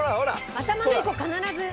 頭のいい子必ず。